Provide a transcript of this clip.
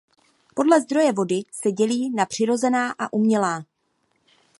Podle zdroje vody se dělí na přirozená a umělá.